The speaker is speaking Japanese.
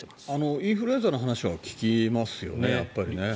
インフルエンザの話は聞きますよね。